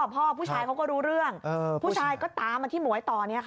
พ่อผู้ชายเขาก็รู้เรื่องผู้ชายก็ตามมาที่หมวยต่อ